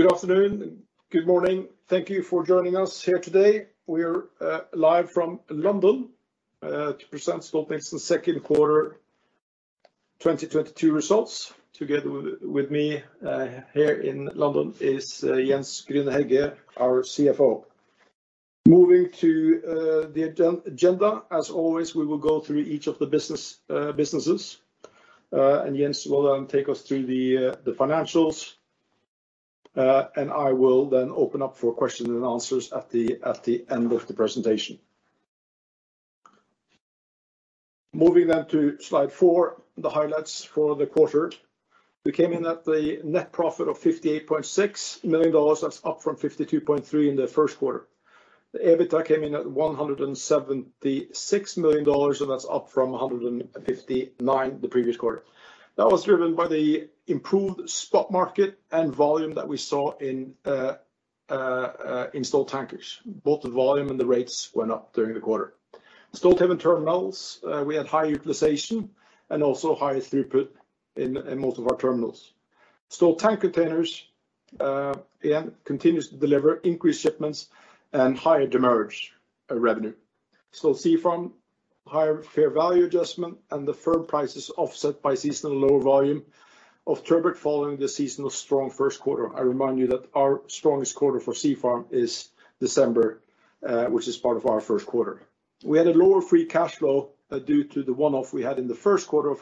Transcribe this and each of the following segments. Good afternoon. Good morning. Thank you for joining us here today. We are live from London to present Stolt-Nielsen second quarter 2022 Results. Together with me here in London is Jens F. Grüner-Hegge, our CFO. Moving to the agenda, as always, we will go through each of the businesses. Jens will take us through the financials. I will then open up for questions and answers at the end of the presentation. Moving then to slide four, the highlights for the quarter. We came in at the net profit of $58.6 million. That's up from $52.3 million in the first quarter. The EBITDA came in at $176 million, and that's up from $159 million the previous quarter. That was driven by the improved spot market and volume that we saw in Stolt Tankers. Both the volume and the rates went up during the quarter. Stolthaven Terminals, we had high utilization and also high throughput in most of our terminals. Stolt Tank Containers again continues to deliver increased shipments and higher demurrage revenue. Stolt Sea Farm, higher fair value adjustment and the feed prices offset by seasonal lower volume of turbot following the seasonal strong first quarter. I remind you that our strongest quarter for Stolt Sea Farm is December, which is part of our first quarter. We had a lower free cash flow due to the one-off we had in the first quarter,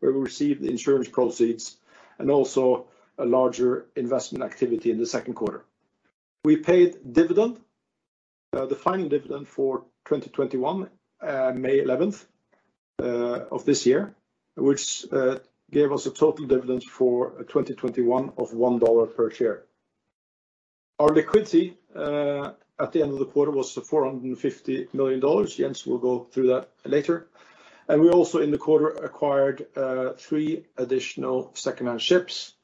where we received the insurance proceeds and also a larger investment activity in the second quarter. We paid dividend, the final dividend for 2021, May 11 of this year, which gave us a total dividend for 2021 of $1 per share. Our liquidity at the end of the quarter was $450 million. Jens will go through that later. We also in the quarter acquired three additional second-hand ships,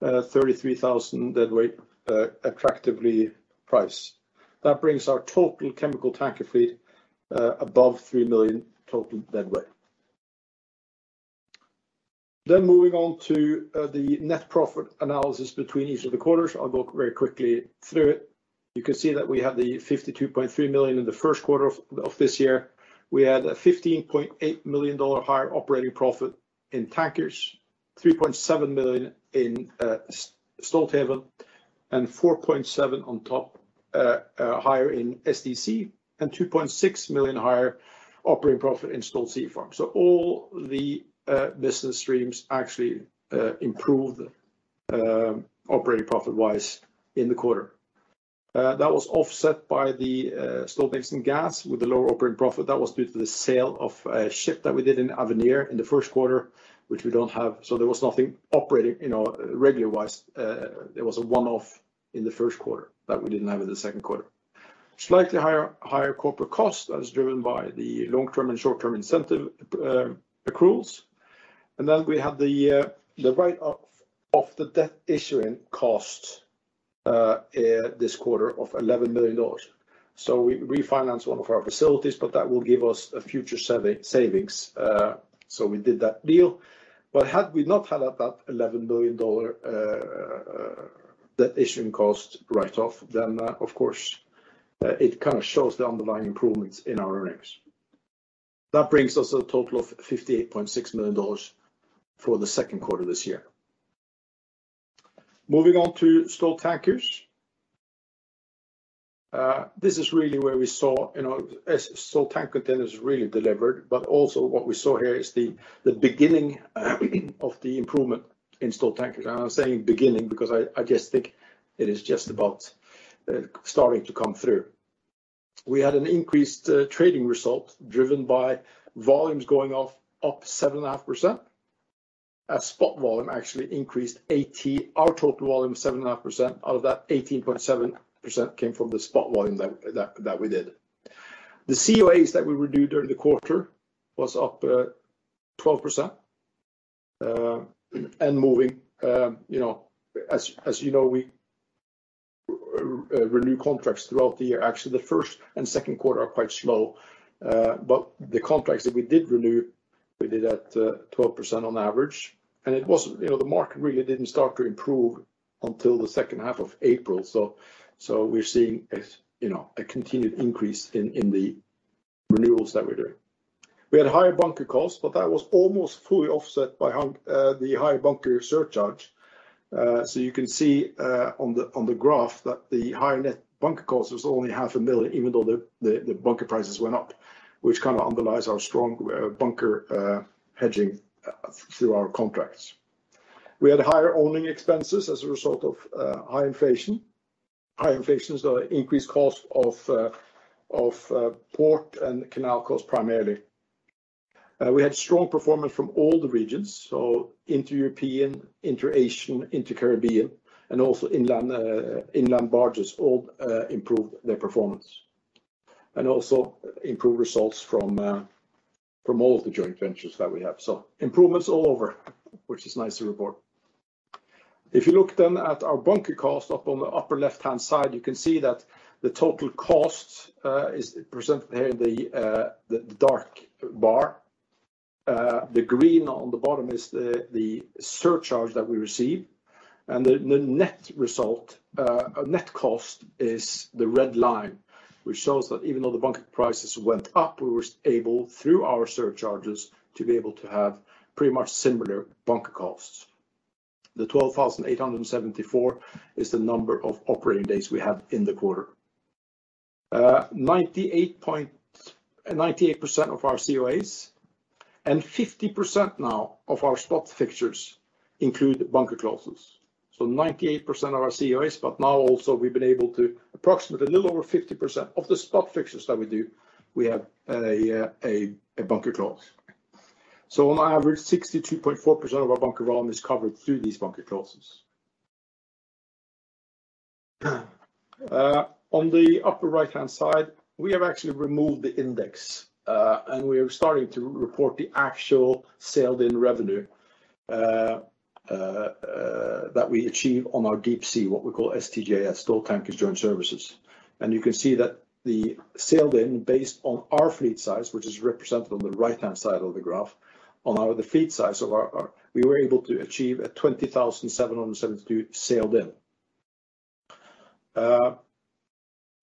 33,000 deadweight, attractively priced. That brings our total chemical tanker fleet above three million total deadweight. Moving on to the net profit analysis between each of the quarters. I'll go very quickly through it. You can see that we have the $52.3 million in the first quarter of this year. We had a $15.8 million higher operating profit in Tankers, $3.7 million in Stolthaven, and $4.7 million higher in STC, and $2.6 million higher operating profit in Stolt Sea Farm. All the business streams actually improved operating profit-wise in the quarter. That was offset by the Stolt-Nielsen Gas with the lower operating profit. That was due to the sale of a ship that we did in Avenir in the first quarter, which we don't have. There was nothing operating, you know, regular wise, it was a one-off in the first quarter that we didn't have in the second quarter. Slightly higher corporate cost. That is driven by the long-term and short term incentive accruals. We have the write-off of the debt issuance cost this quarter of $11 million. We refinanced one of our facilities, but that will give us a future savings, we did that deal. Had we not had that $11 million debt issuance cost write-off, of course, it kind of shows the underlying improvements in our earnings. That brings us to a total of $58.6 million for the second quarter this year. Moving on to Stolt Tankers. This is really where we saw, you know, Stolt Tank Containers really delivered, but also what we saw here is the beginning of the improvement in Stolt Tankers. I'm saying beginning because I just think it is just about starting to come through. We had an increased trading result driven by volumes going up 7.5%. Spot volume actually increased 80%. Our total volume 7.5%. Out of that, 18.7% came from the spot volume that we did. The COAs that we renewed during the quarter was up 12%, and moving. You know, as you know, we renew contracts throughout the year. Actually, the first and second quarter are quite slow. The contracts that we did renew, we did at 12% on average. It was, you know, the market really didn't start to improve until the second half of April. We're seeing, you know, a continued increase in the renewals that we're doing. We had higher bunker costs, but that was almost fully offset by the higher bunker surcharge. You can see on the graph that the higher net bunker cost was only $ half a million, even though the bunker prices went up, which kind of underlies our strong bunker hedging through our contracts. We had higher owning expenses as a result of high inflation. High inflation, so increased cost of port and canal costs, primarily. We had strong performance from all the regions, so intra-European, intra-Asian, intra-Caribbean, and also inland barges all improved their performance. Also improved results from all of the joint ventures that we have. Improvements all over, which is nice to report. If you look then at our bunker cost up on the upper left-hand side, you can see that the total cost is presented here in the dark bar. The green on the bottom is the surcharge that we receive, and the net result, net cost, is the red line which shows that even though the bunker prices went up, we were able, through our surcharges, to be able to have pretty much similar bunker costs. The 12,874 is the number of operating days we had in the quarter. Ninety-eight percent of our COAs and 50% now of our spot fixtures include bunker clauses. 98% of our COAs, but now also we've been able to approximate a little over 50% of the spot fixtures that we do, we have a bunker clause. On average, 62.4% of our bunker run is covered through these bunker clauses. On the upper right-hand side, we have actually removed the index, and we are starting to report the actual sailed-in revenue that we achieve on our deep sea, what we call STJS, Stolt Tankers Joint Service. You can see that the sailed in based on our fleet size, which is represented on the right-hand side of the graph, on our fleet size, we were able to achieve a $20,772 sailed in.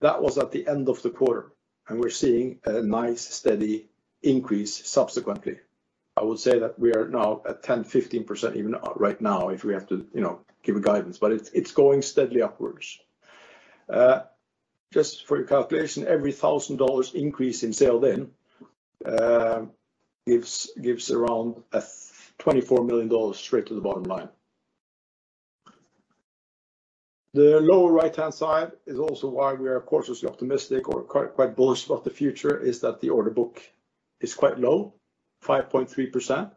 That was at the end of the quarter, and we're seeing a nice steady increase subsequently. I would say that we are now at 10%-15% even right now if we have to, you know, give a guidance, but it's going steadily upwards. Just for your calculation, every thousand dollars increase in sailed in gives around $24 million straight to the bottom line. The lower right-hand side is also why we are cautiously optimistic or quite bullish about the future, is that the order book is quite low, 5.3%,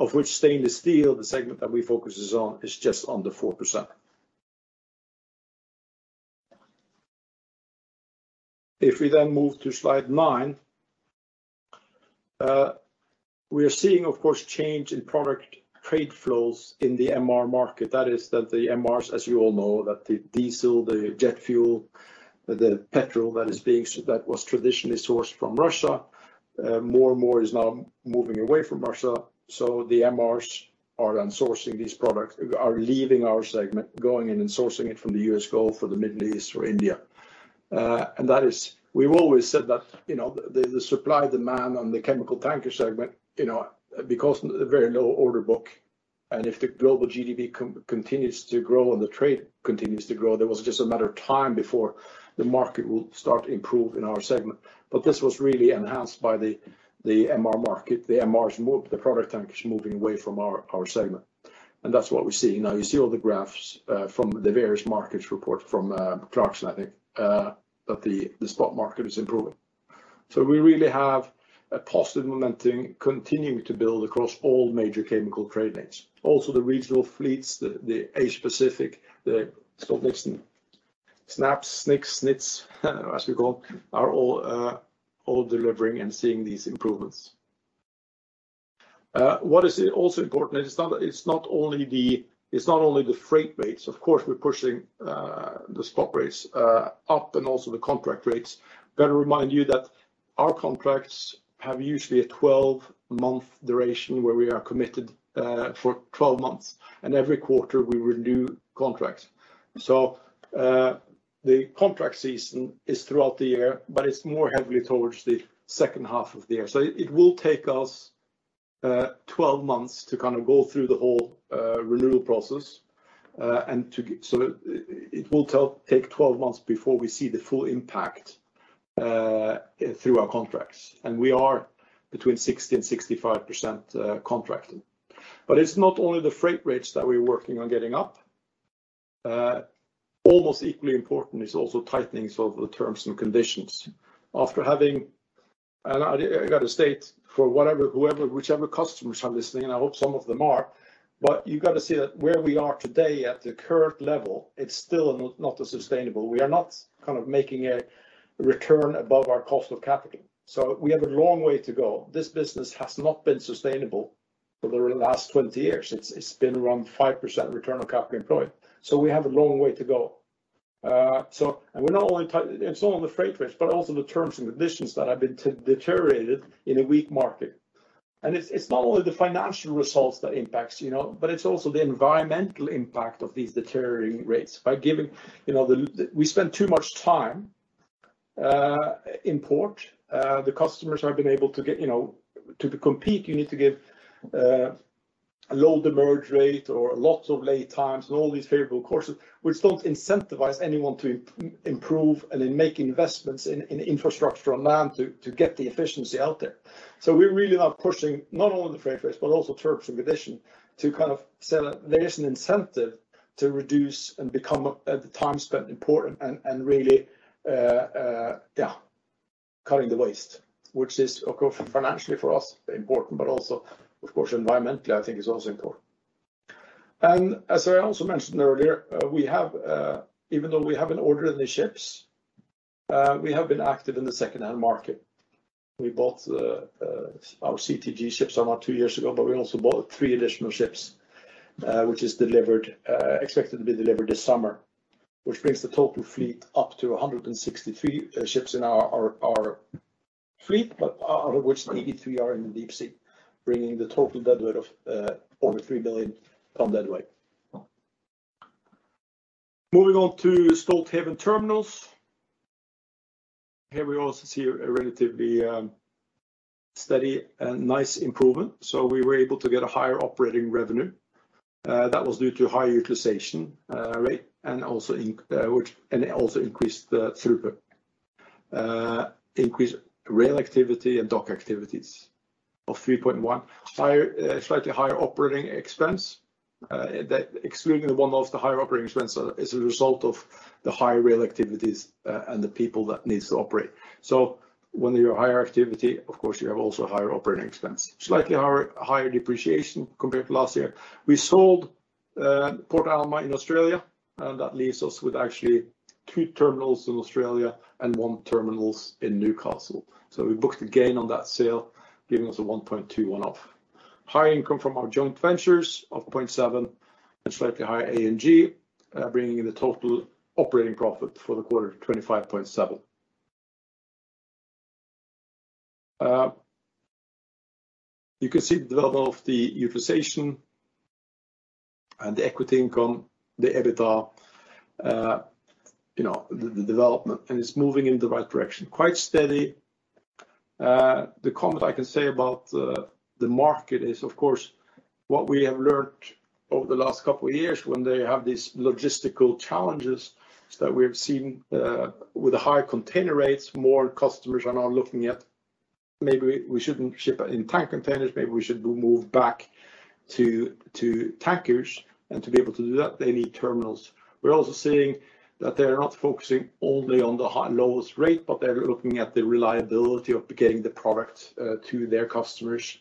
of which stainless steel, the segment that we focus is on, is just under 4%. If we then move to slide nine, we are seeing, of course, change in product trade flows in the MR market. That is, the MRs, as you all know, that the diesel, the jet fuel, the petrol that was traditionally sourced from Russia, more and more is now moving away from Russia. The MRs are leaving our segment, going in and sourcing it from the U.S. Gulf or the Middle East or India. We've always said that, you know, the supply, demand on the chemical tanker segment, you know, because of the very low order book and if the global GDP continues to grow and the trade continues to grow, there was just a matter of time before the market will start to improve in our segment. This was really enhanced by the MR market. The MRs, the product tankers, moving away from our segment, and that's what we're seeing now. You see all the graphs from the various market reports from Clarksons, I think, that the spot market is improving. We really have a positive momentum continuing to build across all major chemical trade lanes. Also the regional fleets, the Asia Pacific, the Stolt-Nielsen, SNAPS, SNICS, SNITS as we call, are all delivering and seeing these improvements. What is also important is it's not only the freight rates. Of course, we're pushing the spot rates up and also the contract rates. Let me remind you that our contracts have usually a 12-month duration where we are committed for 12 months, and every quarter we renew contracts. The contract season is throughout the year, but it's more heavily towards the second half of the year. It will take us 12 months to kind of go through the whole renewal process. It will take 12 months before we see the full impact through our contracts. We are between 60% and 65% contracted. It's not only the freight rates that we're working on getting up. Almost equally important is also tightening some of the terms and conditions. I gotta state for whatever, whoever, whichever customers are listening, and I hope some of them are, but you gotta see that where we are today at the current level, it's still not a sustainable. We are not kind of making a return above our cost of capital. We have a long way to go. This business has not been sustainable for the last 20 years. It's been around 5% return on capital employed, so we have a long way to go. It's not only the freight rates, but also the terms and conditions that have been deteriorated in a weak market. It's not only the financial results that impacts, you know, but it's also the environmental impact of these deteriorating rates. We spend too much time in port. The customers have been able to get, you know, to compete, you need to give a low demurrage rate or lots of lay times and all these favorable clauses which don't incentivize anyone to improve and then make investments in infrastructure on land to get the efficiency out there. We're really now pushing not only the freight rates, but also terms and conditions to kind of say that there is an incentive to reduce the time spent in port and really cutting the waste. Which is, of course, financially for us important, but also, of course, environmentally, I think it's also important. As I also mentioned earlier, we have even though we haven't ordered any ships, we have been active in the second-hand market. We bought our CTG ships around two years ago, but we also bought three additional ships, which is delivered, expected to be delivered this summer. Which brings the total fleet up to 163 ships in our fleet, but out of which 83 are in the deep sea, bringing the total deadweight of over three billion ton deadweight. Moving on to Stolthaven Terminals. Here we also see a relatively steady and nice improvement. We were able to get a higher operating revenue, that was due to high utilization rate and also increased the throughput. Increased rail activity and dock activities of 3.1. Higher, slightly higher operating expense, that excluding the one-off, the higher operating expense is a result of the higher rail activities and the people that needs to operate. When you have higher activity, of course you have also higher operating expense. Slightly higher depreciation compared to last year. We sold Port Alma in Australia, and that leaves us with actually two terminals in Australia and one terminal in Newcastle. We booked a gain on that sale, giving us a $1.2 one-off. Higher income from our joint ventures of $0.7 and slightly higher A&G, bringing the total operating profit for the quarter to $25.7. You can see the development of the utilization and the equity income, the EBITDA, you know, the development and it's moving in the right direction. Quite steady. The comment I can say about the market is, of course, what we have learned over the last couple of years when they have these logistical challenges is that we have seen, with the higher container rates, more customers are now looking at maybe we shouldn't ship it in tank containers, maybe we should move back to tankers. To be able to do that, they need terminals. We're also seeing that they are not focusing only on the lowest rate, but they're looking at the reliability of getting the product to their customers.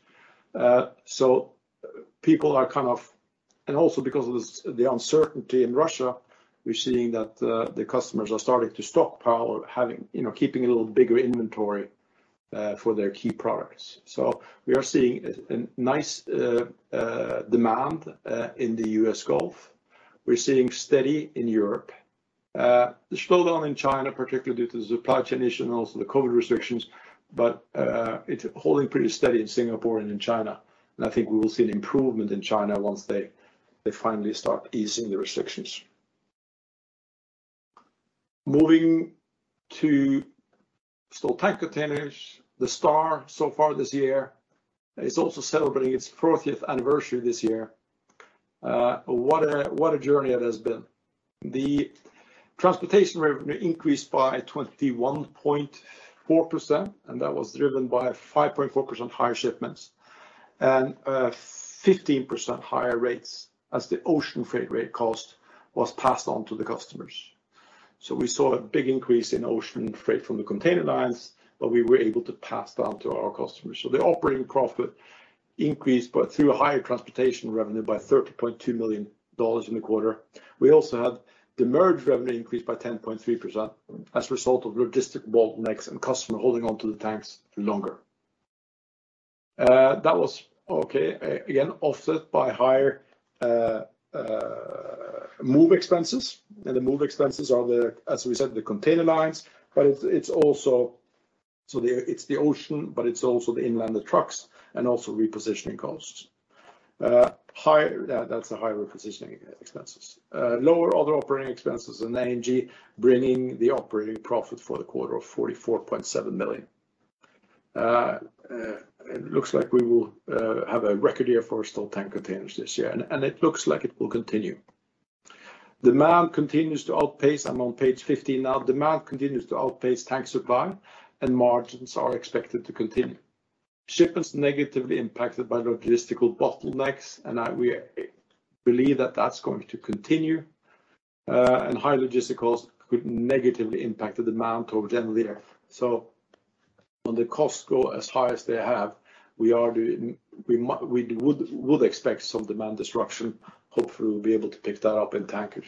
People are kind of also because of the uncertainty in Russia, we're seeing that the customers are starting to stockpile or having, you know, keeping a little bigger inventory for their key products. We are seeing a nice demand in the U.S. Gulf. We're seeing steady in Europe. The slowdown in China, particularly due to the supply chain issue and also the COVID restrictions, but it's holding pretty steady in Singapore and in China. I think we will see an improvement in China once they finally start easing the restrictions. Moving to Stolt Tank Containers, the star so far this year. It's also celebrating its fortieth anniversary this year. What a journey it has been. The transportation revenue increased by 21.4%, and that was driven by 5.4% higher shipments and 15% higher rates as the ocean freight rate cost was passed on to the customers. We saw a big increase in ocean freight from the container lines, but we were able to pass down to our customers. The operating profit increased by, through higher transportation revenue by $30.2 million in the quarter. We also had the merged revenue increased by 10.3% as a result of logistic bottlenecks and customer holding on to the tanks for longer. That was okay, again, offset by higher move expenses. The move expenses are the, as we said, the container lines, but it's also the ocean, the inland, the trucks, and also repositioning costs. That's the higher repositioning expenses. Lower other operating expenses and A&G, bringing the operating profit for the quarter to $44.7 million. It looks like we will have a record year for Stolt Tank Containers this year, and it looks like it will continue. Demand continues to outpace. I'm on page 15 now. Demand continues to outpace tank supply and margins are expected to continue. Shipments negatively impacted by logistical bottlenecks, and we believe that that's going to continue. Higher logisticals could negatively impact the demand over January FY. So when the costs go as high as they have, we would expect some demand destruction. Hopefully, we'll be able to pick that up in tankers.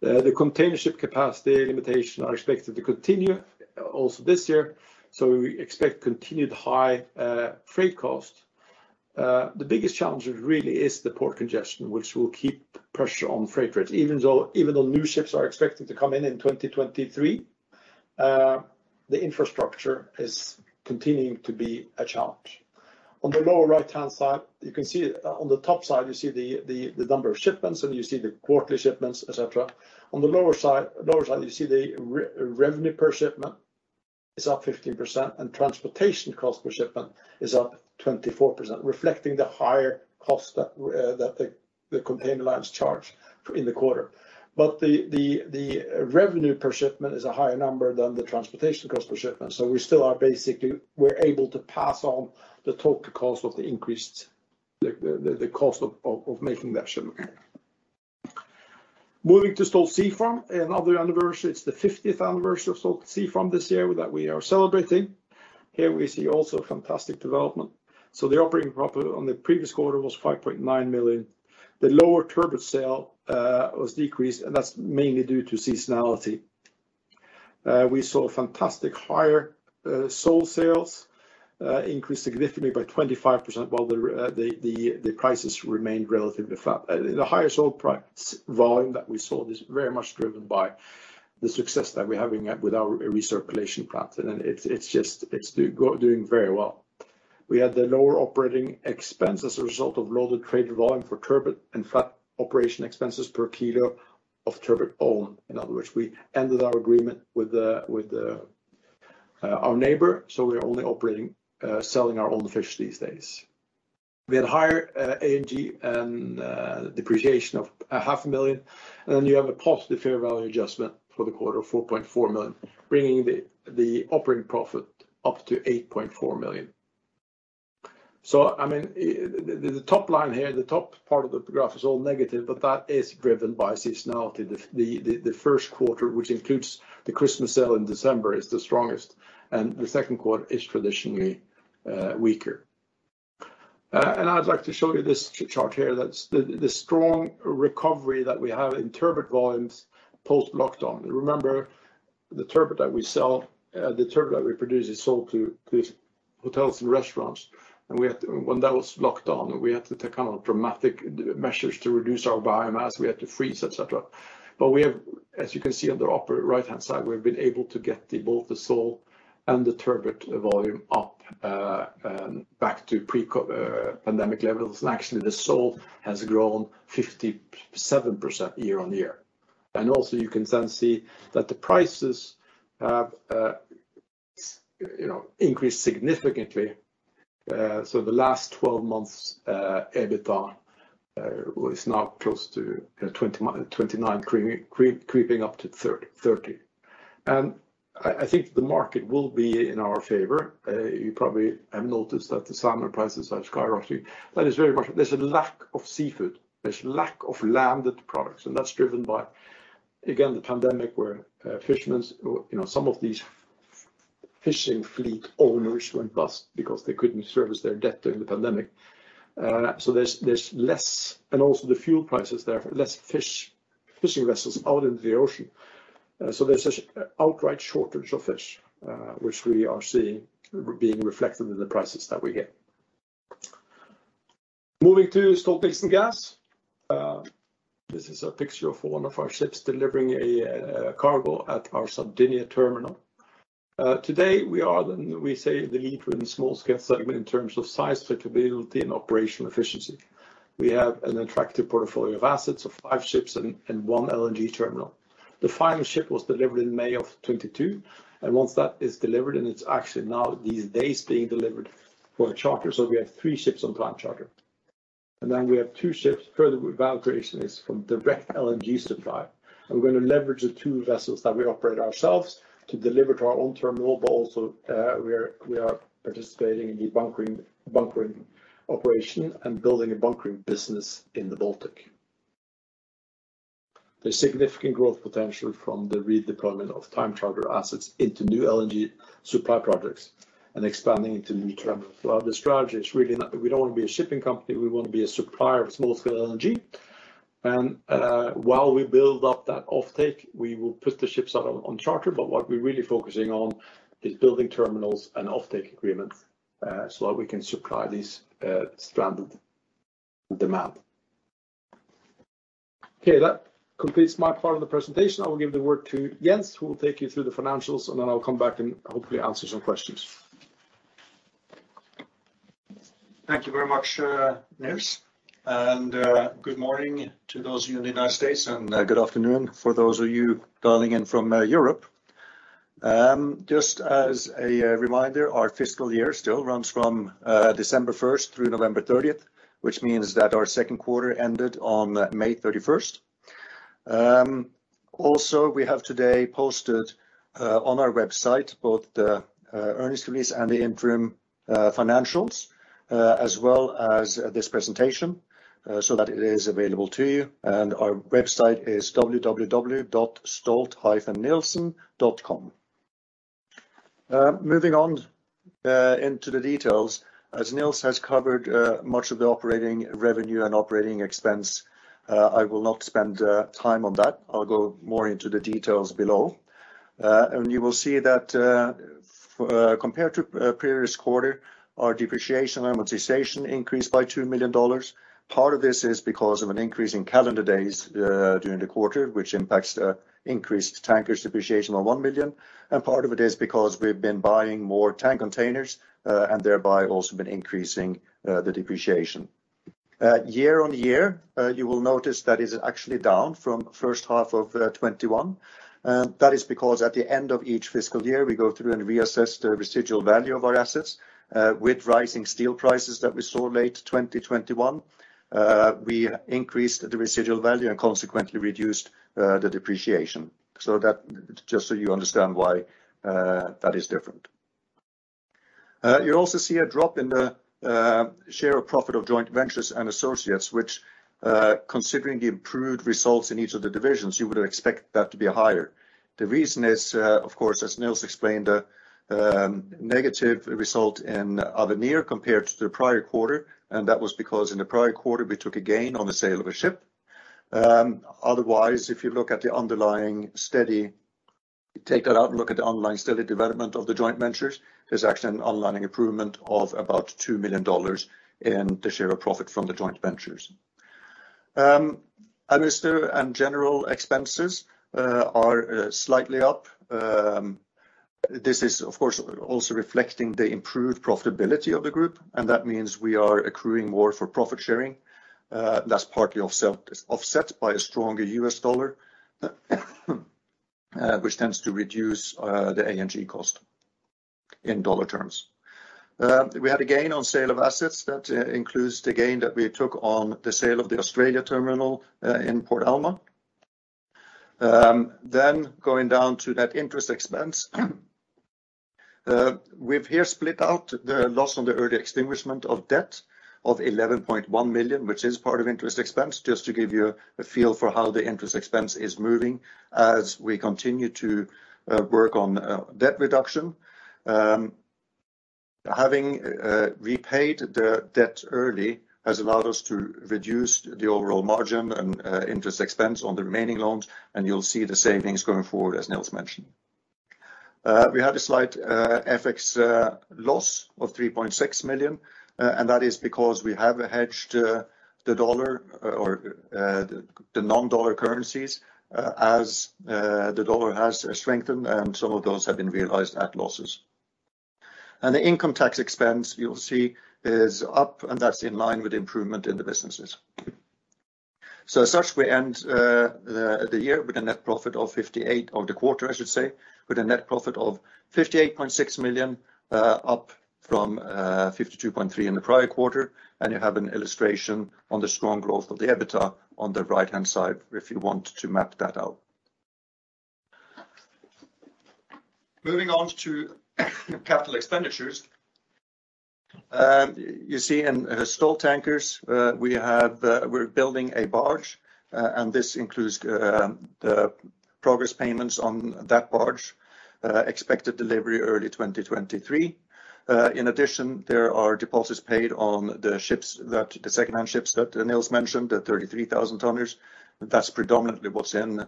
The container ship capacity limitations are expected to continue also this year, so we expect continued high freight costs. The biggest challenge really is the port congestion, which will keep pressure on freight rates. Even though new ships are expected to come in in 2023, the infrastructure is continuing to be a challenge. On the lower right-hand side, you can see, on the top side, you see the number of shipments and you see the quarterly shipments, et cetera. On the lower side, you see the revenue per shipment is up 15% and transportation cost per shipment is up 24%, reflecting the higher cost that the container lines charge in the quarter. But the revenue per shipment is a higher number than the transportation cost per shipment. We still are basically able to pass on the total cost of the increased cost of making that shipment. Moving to Stolt Sea Farm, another anniversary. It's the fiftieth anniversary of Stolt Sea Farm this year that we are celebrating. Here we see also fantastic development. The operating profit on the previous quarter was $5.9 million. The lower turbot sale was decreased, and that's mainly due to seasonality. We saw fantastic higher sole sales increased significantly by 25%, while the prices remained relatively flat. The higher sole price volume that we saw is very much driven by the success that we're having with our recirculation plant. It's just doing very well. We had the lower operating expense as a result of lower traded volume for turbot and flat operation expenses per kilo of turbot own. In other words, we ended our agreement with our neighbor, so we are only operating, selling our own fish these days. We had higher A&G and depreciation of $0.5 million, and then you have a positive fair value adjustment for the quarter of $4.4 million, bringing the operating profit up to $8.4 million. I mean, the top line here, the top part of the graph is all negative, but that is driven by seasonality. The first quarter, which includes the Christmas sale in December, is the strongest, and the second quarter is traditionally weaker. I'd like to show you this chart here. That's the strong recovery that we have in turbot volumes post-lockdown. Remember, the turbot that we sell, the turbot that we produce is sold to hotels and restaurants. When that was locked down, we had to take kind of dramatic measures to reduce our biomass. We had to freeze, et cetera. We have, as you can see on the upper right-hand side, we've been able to get the both the sole and the turbot volume up back to pre-COVID pandemic levels. Actually, the sole has grown 57% year-on-year. Also you can then see that the prices have, you know, increased significantly. So the last 12 months, EBITDA was now close to, you know, $29 creeping up to $30. I think the market will be in our favor. You probably have noticed that the salmon prices are skyrocketing. That is very much, there's a lack of seafood. There's lack of landed products. That's driven by, again, the pandemic, where, fishermen or, you know, some of these fishing fleet owners went bust because they couldn't service their debt during the pandemic. There's less. Also the fuel prices, there are less fishing vessels out into the ocean. There's just outright shortage of fish, which we are seeing being reflected in the prices that we get. Moving to Stolt-Nielsen Gas. This is a picture of one of our ships delivering a cargo at our Sardinia terminal. Today we are the, we say, the leader in small-scale segment in terms of size, flexibility and operational efficiency. We have an attractive portfolio of assets of five ships and one LNG terminal. The final ship was delivered in May of 2022, and once that is delivered, and it's actually now these days being delivered for a charter, so we have three ships on time charter. Then we have two ships further with valuation from direct LNG supply. We're gonna leverage the two vessels that we operate ourselves to deliver to our own terminal, but also we are participating in bunkering operation and building a bunkering business in the Baltic. There's significant growth potential from the redeployment of time charter assets into new LNG supply projects and expanding into new terminals. Our strategy is really we don't want to be a shipping company. We want to be a supplier of small-scale LNG. While we build up that offtake, we will put the ships out on charter. What we're really focusing on is building terminals and offtake agreements, so that we can supply these stranded demand. Okay, that completes my part of the presentation. I will give the word to Jens, who will take you through the financials, and then I'll come back and hopefully answer some questions. Thank you very much, Niels. Good morning to those of you in the United States, and good afternoon for those of you dialing in from Europe. Just as a reminder, our fiscal year still runs from December first through November 30th, which means that our second quarter ended on May 31st. Also, we have today posted on our website both the earnings release and the interim financials, as well as this presentation, so that it is available to you. Our website is www.stolt-nielsen.com. Moving on into the details, as Niels has covered much of the operating revenue and operating expense, I will not spend time on that. I'll go more into the details below. You will see that, compared to previous quarter, our depreciation and amortization increased by $2 million. Part of this is because of an increase in calendar days during the quarter, which impacts the increased tankers depreciation of $1 million, and part of it is because we've been buying more tank containers and thereby also been increasing the depreciation. Year-on-year, you will notice that is actually down from first half of 2021. That is because at the end of each fiscal year, we go through and reassess the residual value of our assets. With rising steel prices that we saw late 2021, we increased the residual value and consequently reduced the depreciation. That, just so you understand why, that is different. You also see a drop in the share of profit of joint ventures and associates, which considering the improved results in each of the divisions, you would expect that to be higher. The reason is, of course, as Niels explained, negative result in Avenir compared to the prior quarter, and that was because in the prior quarter, we took a gain on the sale of a ship. Otherwise, if you take that out and look at the underlying steady development of the joint ventures, there's actually an underlying improvement of about $2 million in the share of profit from the joint ventures. Administrative and general expenses are slightly up. This is, of course, also reflecting the improved profitability of the group, and that means we are accruing more for profit-sharing. That's partly offset by a stronger U.S. dollar, which tends to reduce the A&G cost in dollar terms. We had a gain on sale of assets that includes the gain that we took on the sale of the Australian terminal in Port Alma. Going down to that interest expense. We've here split out the loss on the early extinguishment of debt of $11.1 million, which is part of interest expense, just to give you a feel for how the interest expense is moving as we continue to work on debt reduction. Having repaid the debt early has allowed us to reduce the overall margin and interest expense on the remaining loans, and you'll see the savings going forward, as Nils mentioned. We had a slight FX loss of $3.6 million, and that is because we have hedged the dollar or the non-dollar currencies, as the dollar has strengthened and some of those have been realized at losses. The income tax expense you'll see is up, and that's in line with improvement in the businesses. As such, we end the year, on the quarter I should say, with a net profit of $58.6 million, up from $52.3 million in the prior quarter. You have an illustration on the strong growth of the EBITDA on the right-hand side, if you want to map that out. Moving on to capital expenditures. You see in Stolt Tankers, we have we're building a barge, and this includes progress payments on that barge, expected delivery early 2023. In addition, there are deposits paid on the ships, the second-hand ships that Nils mentioned, the 33,000 tonners. That's predominantly what's in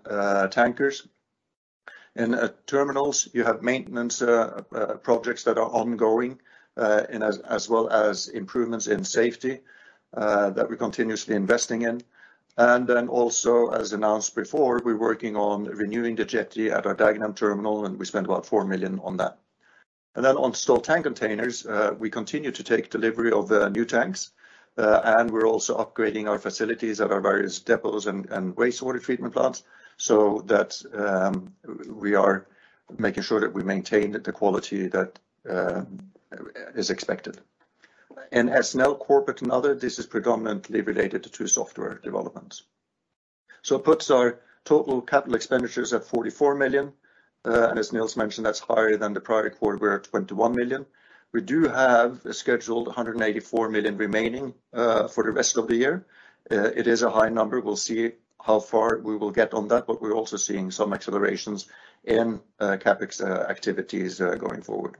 Tankers. In Terminals, you have maintenance projects that are ongoing, and as well as improvements in safety that we're continuously investing in. As announced before, we're working on renewing the jetty at our Dagenham terminal, and we spent about $4 million on that. Then on Stolt Tank Containers, we continue to take delivery of the new tanks, and we're also upgrading our facilities at our various depots and wastewater treatment plants, so that we are making sure that we maintain the quality that is expected. As SNL Corporate and Other, this is predominantly related to two software developments. It puts our total capital expenditures at $44 million. As Nils mentioned, that's higher than the prior quarter where at $21 million. We do have scheduled $184 million remaining for the rest of the year. It is a high number. We'll see how far we will get on that, but we're also seeing some accelerations in CapEx activities going forward.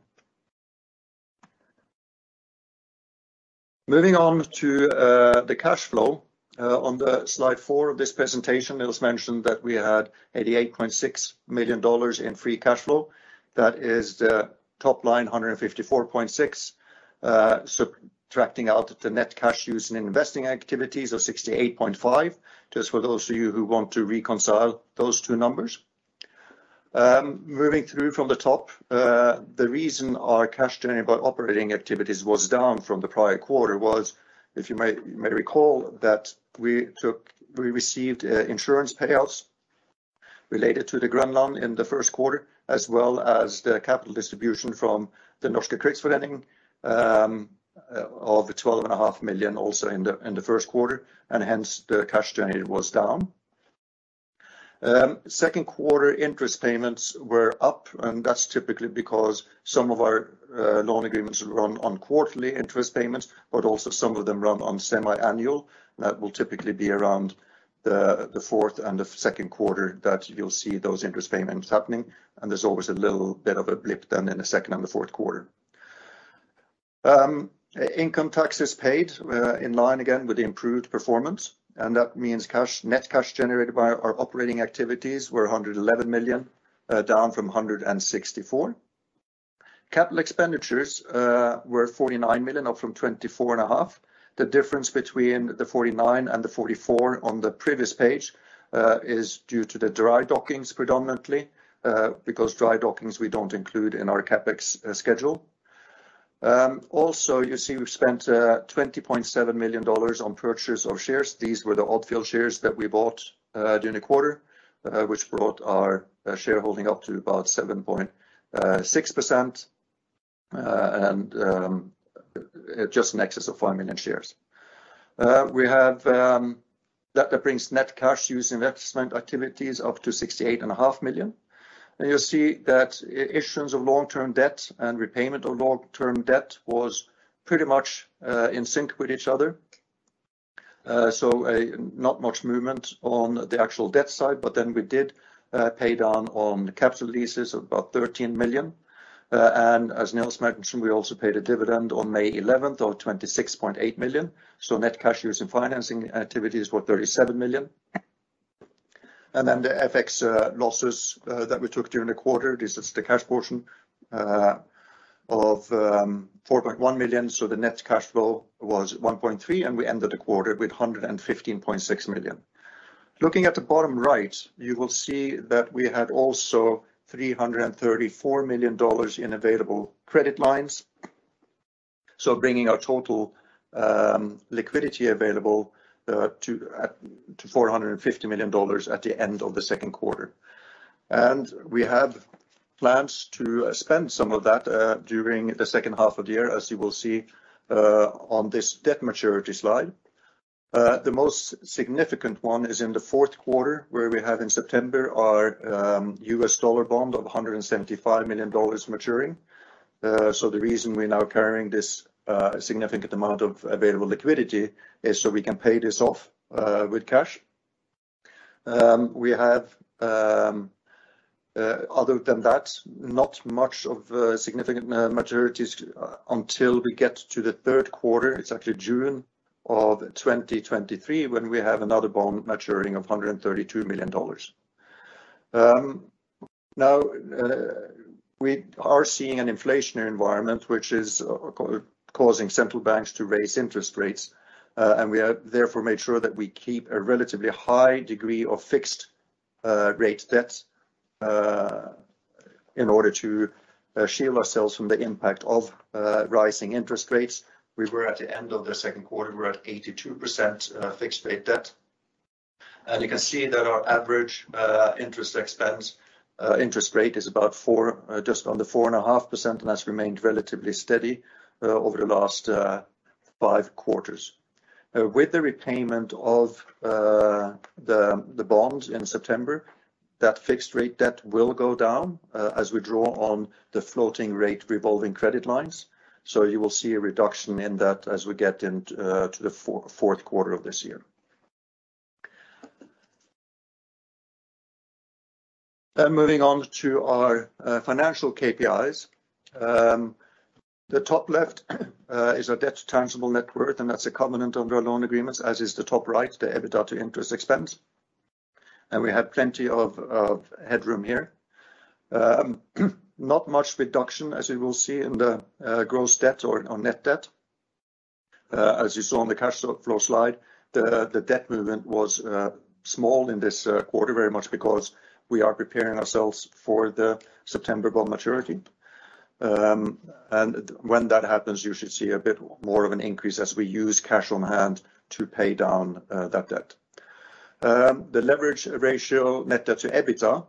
Moving on to the cash flow. On slide four of this presentation, Nils mentioned that we had $88.6 million in free cash flow. That is the top line, $154.6 million, subtracting out the net cash used in investing activities of $68.5 million, just for those of you who want to reconcile those two numbers. Moving through from the top, the reason our cash generated by operating activities was down from the prior quarter was, if you may recall, we received insurance payouts related to the Stolt Groenland in the first quarter, as well as the capital distribution from the Norske Kredittforening of $12.5 million also in the first quarter, and hence the cash generated was down. Second quarter interest payments were up, and that's typically because some of our loan agreements run on quarterly interest payments, but also some of them run on semiannual. That will typically be around the fourth and the second quarter that you'll see those interest payments happening, and there's always a little bit of a blip then in the second and the fourth quarter. Income taxes paid, in line again with the improved performance, and that means cash, net cash generated by our operating activities were $111 million, down from $164 million. Capital expenditures were $49 million, up from $24.5 million. The difference between the 49 and the 44 on the previous page is due to the dry dockings predominantly, because dry dockings we don't include in our CapEx schedule. Also, you see we've spent $20.7 million on purchase of shares. These were the Odfjell shares that we bought during the quarter, which brought our shareholding up to about 7.6%, and just in excess of five million shares. That brings net cash used in investment activities up to $68.5 million. You'll see that issuance of long-term debt and repayment of long-term debt was pretty much in sync with each other. So, not much movement on the actual debt side, but then we did pay down on capital leases of about $13 million. And as Nils mentioned, we also paid a dividend on May eleventh of $26.8 million. Net cash used in financing activities were $37 million. Then the FX losses that we took during the quarter, this is the cash portion of $4.1 million. The net cash flow was $1.3 million, and we ended the quarter with $115.6 million. Looking at the bottom right, you will see that we had also $334 million in available credit lines. Bringing our total liquidity available to $450 million at the end of the second quarter. We have plans to spend some of that during the second half of the year, as you will see on this debt maturity slide. The most significant one is in the fourth quarter, where we have in September our U.S. dollar bond of $175 million maturing. The reason we're now carrying this significant amount of available liquidity is so we can pay this off with cash. We have, other than that, not much of significant maturities until we get to the third quarter. It's actually June of 2023 when we have another bond maturing of $132 million. Now, we are seeing an inflationary environment which is causing central banks to raise interest rates, and we have therefore made sure that we keep a relatively high degree of fixed rate debt in order to shield ourselves from the impact of rising interest rates. We were at the end of the second quarter, we're at 82% fixed rate debt. You can see that our average interest rate is about 4%, just under 4.5% and has remained relatively steady over the last 5 quarters. With the repayment of the bonds in September, that fixed rate debt will go down as we draw on the floating rate revolving credit lines. You will see a reduction in that as we get into the fourth quarter of this year. Moving on to our financial KPIs. The top left is our debt to tangible net worth, and that's a covenant under our loan agreements, as is the top right, the EBITDA to interest expense. We have plenty of headroom here. Not much reduction, as you will see in the gross debt or on net debt. As you saw on the cash flow slide, the debt movement was small in this quarter, very much because we are preparing ourselves for the September bond maturity. When that happens, you should see a bit more of an increase as we use cash on hand to pay down that debt. The leverage ratio net debt to EBITDA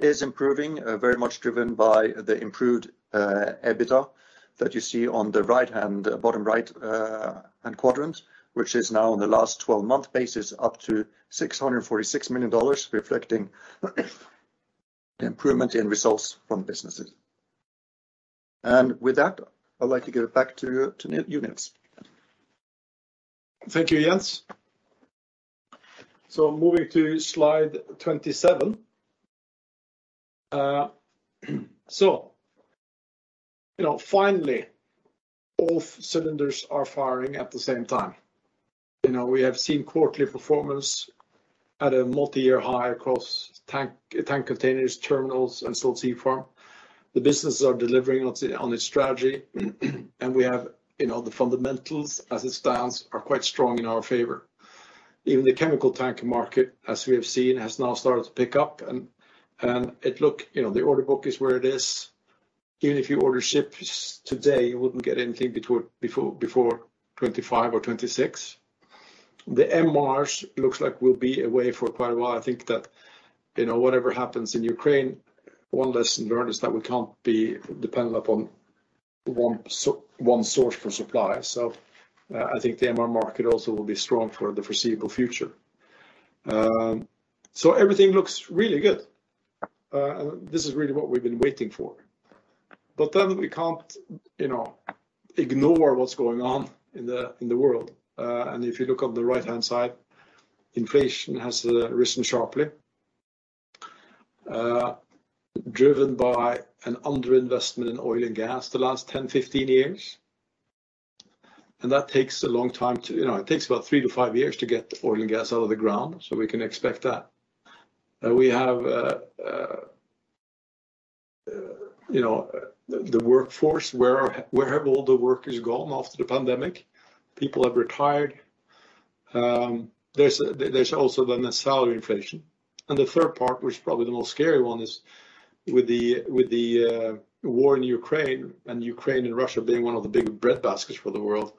is improving, very much driven by the improved EBITDA that you see on the right-hand bottom right-hand quadrant, which is now on the last 12-month basis, up to $646 million, reflecting the improvement in results from the businesses. With that, I'd like to give it back to you, Nils. Thank you, Jens. Moving to slide 27. You know, finally, all cylinders are firing at the same time. You know, we have seen quarterly performance at a multi-year high across tank containers, terminals, and Stolt Sea Farm. The businesses are delivering on the strategy, and we have, you know, the fundamentals as it stands are quite strong in our favor. Even the chemical tanker market, as we have seen, has now started to pick up and it looks, you know, the order book is where it is. Even if you order ships today, you wouldn't get anything before 2025 or 2026. The MRs look like will be away for quite a while. I think that, you know, whatever happens in Ukraine, one lesson learned is that we can't be dependent upon one source for supply. I think the MR market also will be strong for the foreseeable future. Everything looks really good. This is really what we've been waiting for. We can't, you know, ignore what's going on in the world. If you look on the right-hand side, inflation has risen sharply, driven by an underinvestment in oil and gas the last 10-15 years. That takes a long time, you know. It takes about three to five years to get oil and gas out of the ground, so we can expect that. We have, you know, the workforce, where have all the workers gone after the pandemic? People have retired. There's also then the salary inflation. The third part, which is probably the most scary one, is with the war in Ukraine and Russia being one of the big bread baskets for the world,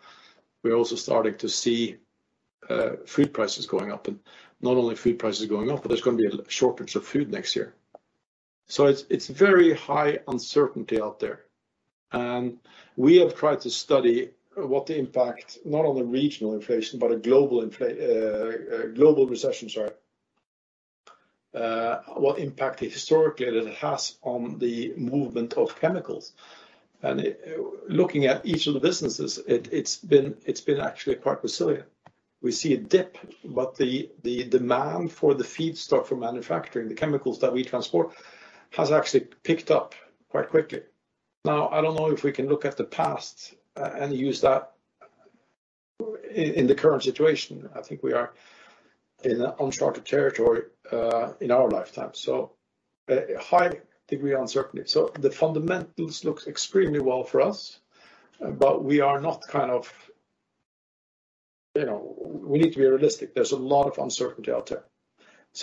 we're also starting to see food prices going up. Not only food prices going up, but there's gonna be a shortage of food next year. It's very high uncertainty out there. We have tried to study what the impact, not on a regional inflation, but a global recession, sorry, what impact historically that it has on the movement of chemicals. Looking at each of the businesses, it's been actually quite resilient. We see a dip, but the demand for the feedstock for manufacturing the chemicals that we transport has actually picked up quite quickly. Now, I don't know if we can look at the past and use that. In the current situation, I think we are in uncharted territory in our lifetime, so a high degree of uncertainty. The fundamentals looks extremely well for us, but we are not kind of, you know, we need to be realistic. There's a lot of uncertainty out there.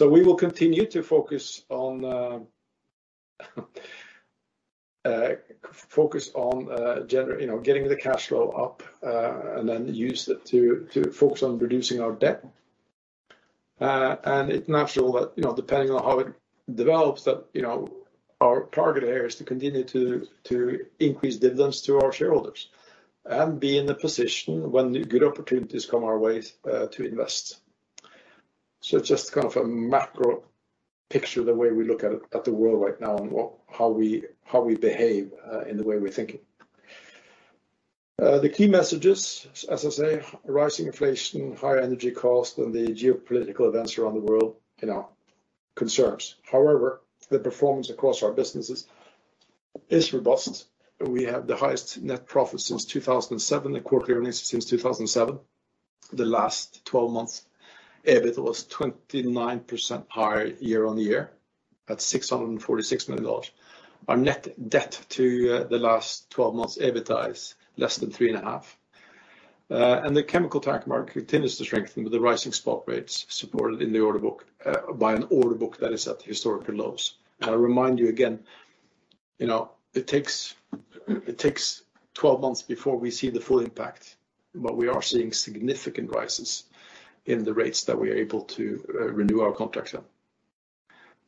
We will continue to focus on you know, getting the cash flow up and then use it to focus on reducing our debt. It's natural that, you know, depending on how it develops that, you know, our target here is to continue to increase dividends to our shareholders and be in a position when the good opportunities come our way to invest. Just kind of a macro picture, the way we look at the world right now and how we behave in the way we're thinking. The key messages, as I say, rising inflation, higher energy costs, and the geopolitical events around the world, you know, concerns. However, the performance across our businesses is robust. We have the highest net profit since 2007, the quarterly earnings since 2007. The last twelve months, EBIT was 29% higher year-over-year at $646 million. Our net debt to the last twelve months EBITDA is less than 3.5. The chemical tanker market continues to strengthen with the rising spot rates supported in the order book by an order book that is at historical lows. I remind you again, you know, it takes 12 months before we see the full impact, but we are seeing significant rises in the rates that we are able to renew our contracts on.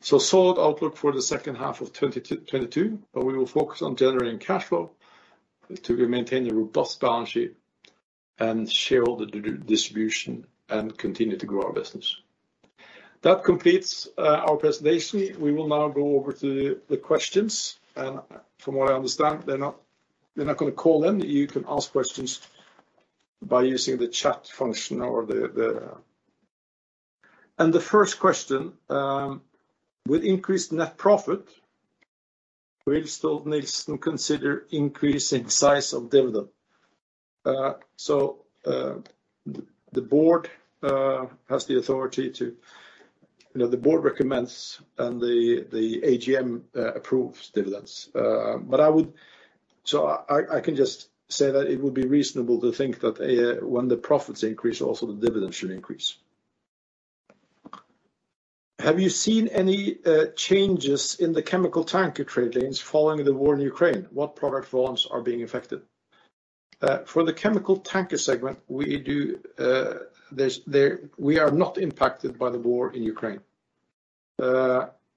Solid outlook for the second half of 2022, but we will focus on generating cash flow to maintain a robust balance sheet and shareholder distribution and continue to grow our business. That completes our presentation. We will now go over to the questions. From what I understand, they're not gonna call in. You can ask questions by using the chat function or the. The first question, with increased net profit, will Stolt-Nielsen consider increasing size of dividend? The board has the authority to. You know, the board recommends and the AGM approves dividends. I can just say that it would be reasonable to think that, when the profits increase, also the dividends should increase. Have you seen any changes in the chemical tanker trade lanes following the war in Ukraine? What product volumes are being affected? For the chemical tanker segment, we are not impacted by the war in Ukraine.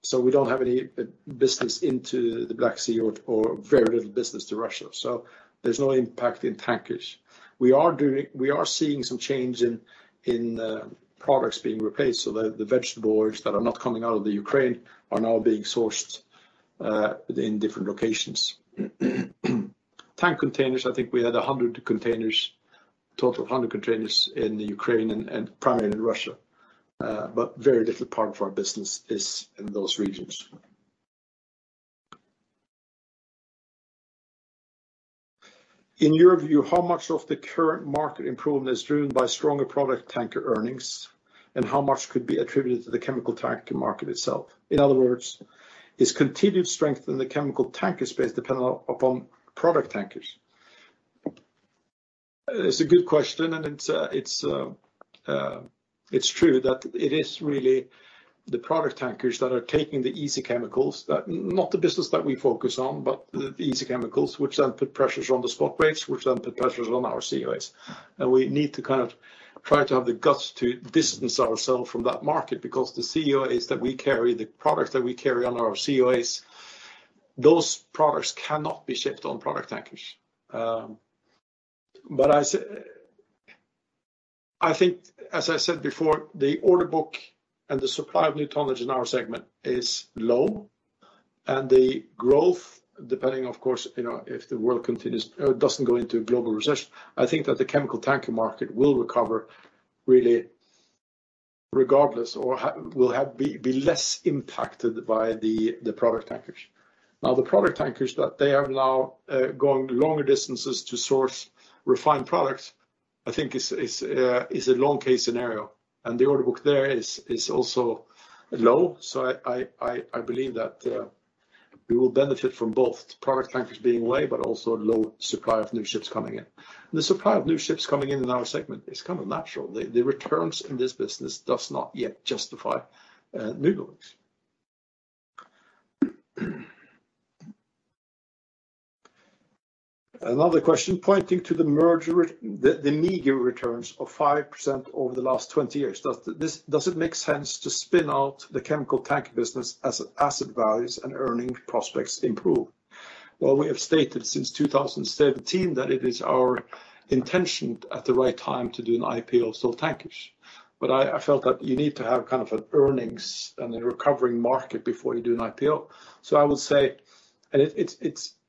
So we don't have any business into the Black Sea or very little business to Russia. So there's no impact in tankers. We are seeing some change in products being replaced. So the vegetables that are not coming out of the Ukraine are now being sourced in different locations. Tank containers, I think we had 100 containers, total of 100 containers in the Ukraine and primarily Russia. Very little part of our business is in those regions. In your view, how much of the current market improvement is driven by stronger product tanker earnings, and how much could be attributed to the chemical tanker market itself? In other words, is continued strength in the chemical tanker space dependent upon product tankers? It's a good question, and it's true that it is really the product tankers that are taking the easy chemicals. That, not the business that we focus on, but the easy chemicals, which then put pressures on the spot rates, which then put pressures on our COAs. We need to kind of try to have the guts to distance ourselves from that market because the COAs that we carry, the products that we carry on our COAs, those products cannot be shipped on product tankers. I think as I said before, the order book and the supply of new tonnage in our segment is low, and the growth, depending, of course, you know, if the world continues, doesn't go into global recession, I think that the chemical tanker market will recover really regardless or will be less impacted by the product tankers. Now, the product tankers that they have now going longer distances to source refined products, I think is a long case scenario. The order book there is also low. I believe that we will benefit from both product tankers being away, but also low supply of new ships coming in. The supply of new ships coming in in our segment is kind of natural. The returns in this business does not yet justify newbuildings. Another question. Pointing to the meager returns of 5% over the last 20 years, does it make sense to spin out the chemical tanker business as asset values and earning prospects improve? Well, we have stated since 2017 that it is our intention at the right time to do an IPO of Stolt Tankers. I felt that you need to have kind of an earnings and a recovering market before you do an IPO. I would say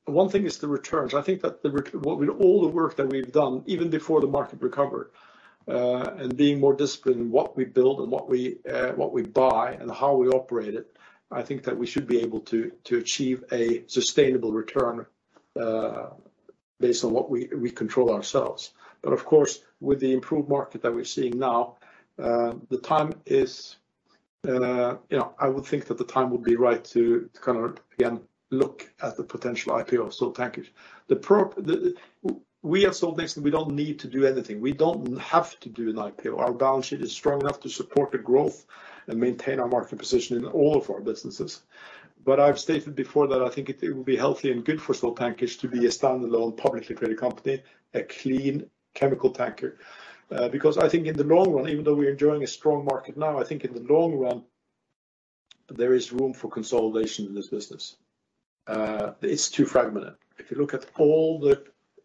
one thing is the returns. I think that with all the work that we've done, even before the market recovery, and being more disciplined in what we build and what we buy and how we operate it, I think that we should be able to achieve a sustainable return based on what we control ourselves. But of course, with the improved market that we're seeing now, the time is, you know, I would think that the time would be right to kind of, again, look at the potential IPO of Stolt Tankers. We as Stolt-Nielsen, we don't need to do anything. We don't have to do an IPO. Our balance sheet is strong enough to support the growth and maintain our market position in all of our businesses. I've stated before that I think it would be healthy and good for Stolt Tankers to be a standalone publicly traded company, a clean chemical tanker. Because I think in the long run, even though we're enjoying a strong market now, I think in the long run, there is room for consolidation in this business. It's too fragmented. If you look at all the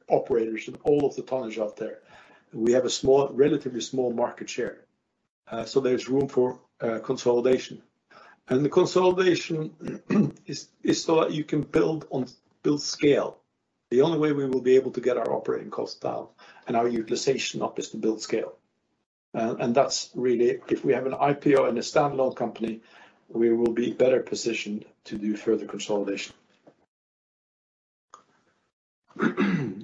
operators and all of the tonnage out there, we have a relatively small market share. So there's room for consolidation. The consolidation is so that you can build scale. The only way we will be able to get our operating costs down and our utilization up is to build scale. That's really if we have an IPO and a standalone company, we will be better positioned to do further consolidation. Oh,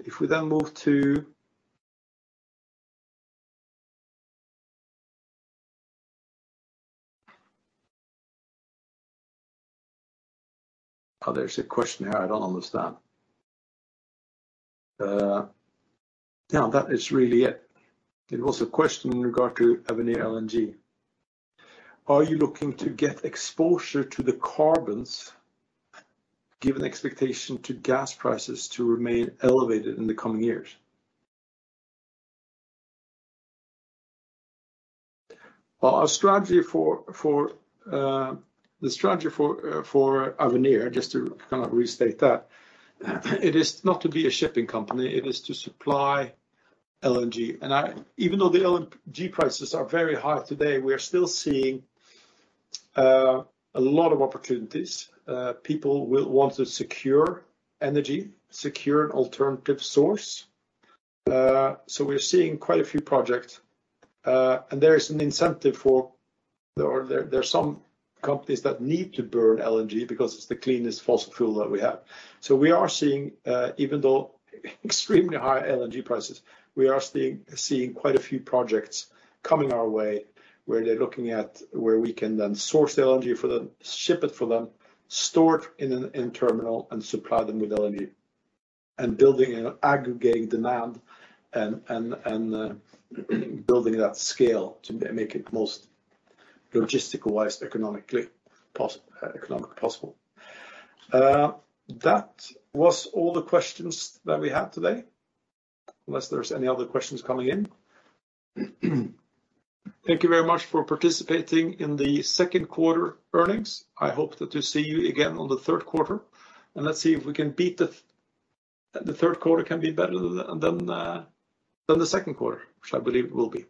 there's a question here I don't understand. Yeah, that is really it. It was a question in regard to Avenir LNG. Are you looking to get exposure to the cargoes given the expectation of gas prices to remain elevated in the coming years? Well, our strategy for Avenir, just to kind of restate that, it is not to be a shipping company, it is to supply LNG. Even though the LNG prices are very high today, we are still seeing a lot of opportunities. People will want to secure energy, secure an alternative source. We're seeing quite a few projects. There are some companies that need to burn LNG because it's the cleanest fossil fuel that we have. We are seeing even though extremely high LNG prices, we are seeing quite a few projects coming our way, where they're looking at where we can then source the LNG for them, ship it for them, store it in terminal, and supply them with LNG. Building and aggregating demand and building that scale to make it most logistical-wise, economically possible. That was all the questions that we had today, unless there's any other questions coming in. Thank you very much for participating in the second quarter earnings. I hope that to see you again on the third quarter, and let's see if we can beat the third quarter can be better than the second quarter, which I believe it will be.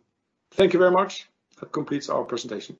Thank you very much. That completes our presentation.